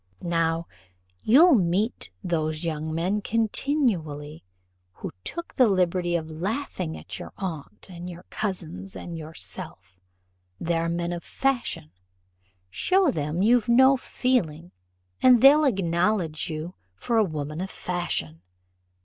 Now you'll meet those young men continually who took the liberty of laughing at your aunt, and your cousins, and yourself; they are men of fashion. Show them you've no feeling, and they'll acknowledge you for a woman of fashion.